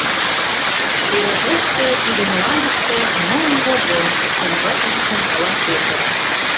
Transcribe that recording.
«Теве тыште, тиде мландыште, мыйын вожем, — умбакыже шонкала Пӧтыр.